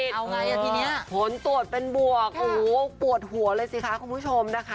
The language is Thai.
เอาไงทีนี้ผลตรวจเป็นบวกโอ้โหปวดหัวเลยสิคะคุณผู้ชมนะคะ